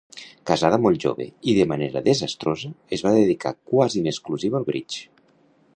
Casada molt jove i de manera desastrosa, es va dedicar quasi en exclusiva al bridge.